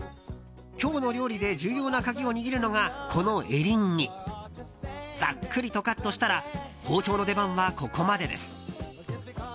今日の料理で重要な鍵を握るのがざっくりとカットしたら包丁の出番はここまでです。